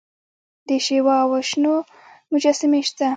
د شیوا او وشنو مجسمې شته